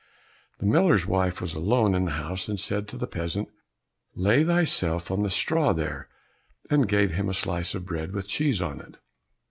The miller's wife was alone in the house, and said to the peasant, "Lay thyself on the straw there", and gave him a slice of bread with cheese on it.